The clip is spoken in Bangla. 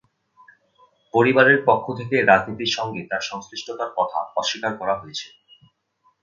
পরিবারের পক্ষ থেকে রাজনীতির সঙ্গে তাঁর সংশ্লিষ্টতার কথা অস্বীকার করা হয়েছে।